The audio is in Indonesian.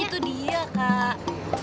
itu dia kak